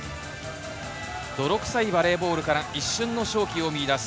泥臭いバレーボールから一瞬の勝機を見いだす。